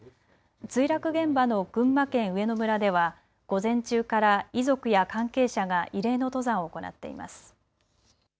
墜落現場の群馬県上野村では午前中から遺族や関係者が慰霊の登山を行っています。